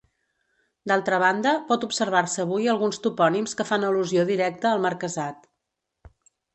D'altra banda, pot observar-se avui alguns topònims que fan al·lusió directa al marquesat.